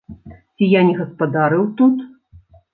Ці я не гаспадарыў тут?